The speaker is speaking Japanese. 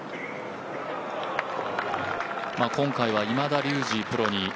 今回は今田竜二